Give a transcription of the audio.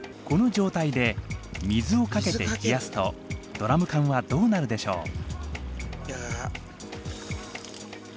この状態で水をかけて冷やすとドラム缶はどうなるでしょう？